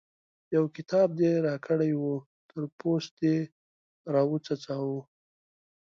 يو کتاب دې راکړی وو؛ تر پوست دې راوڅڅاوو.